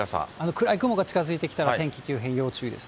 暗い雲が近づいてきたら、天気急変要注意です。